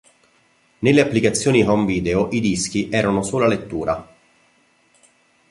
Nelle applicazioni home video i dischi erano sola lettura.